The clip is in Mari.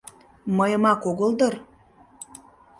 Мыйымак огыл дыр?